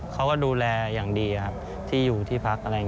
เขาก็ดูแลอย่างดีที่อยู่ที่พัก